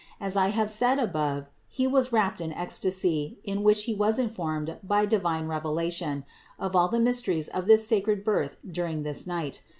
As I have said above ( No. 472 ) he was wrapped in ecstasy, in which he was informed by divine revelation of all the mysteries of this sacred Birth during this night.